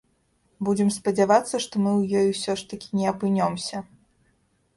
Будзем спадзявацца, што мы ў ёй усё ж такі не апынёмся.